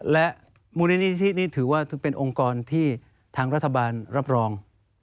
และมูลนิธินี่ถือว่าเป็นองค์กรที่ทางรัฐบาลรับรอง